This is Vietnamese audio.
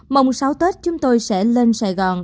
mong sau tết chúng tôi sẽ lên sài gòn